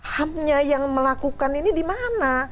ham nya yang melakukan ini di mana